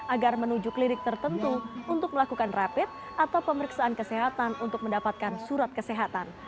agar menuju klinik tertentu untuk melakukan rapid atau pemeriksaan kesehatan untuk mendapatkan surat kesehatan